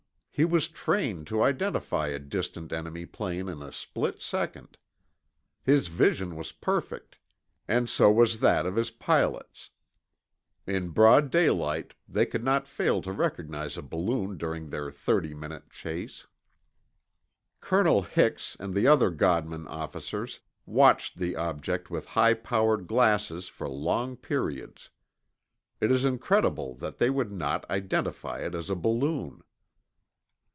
He was trained to identify a distant enemy plane in a split second. His vision was perfect, and so was that of his pilots. In broad daylight they could not fail to recognize a balloon during their thirty minute chase. Colonel Hix and the other Godman officers watched the object with high powered glasses for long periods. It is incredible that they would not identify it as a balloon.